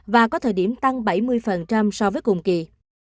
và có thời điểm tăng bảy mươi so với cùng kỳ